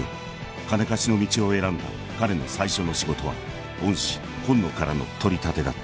［金貸しの道を選んだ彼の最初の仕事は恩師紺野からの取り立てだった］